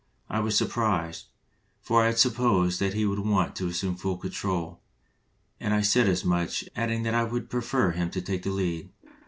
I was sur prised, for I had supposed that he would want to assume full control, and I said as much, adding that I would prefer him to take the lead.